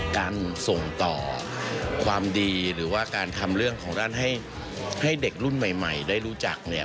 การส่งต่อความดีหรือว่าการทำเรื่องของท่านให้เด็กรุ่นใหม่ได้รู้จักเนี่ย